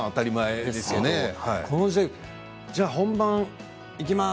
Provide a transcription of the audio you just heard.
この時代は本番いきます